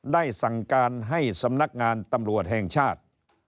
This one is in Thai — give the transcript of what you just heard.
ได้สั่งการให้สำนักงานตำรวจแห่งชาติ